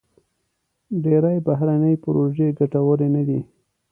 ډېری بهرني پروژې ګټورې نه دي.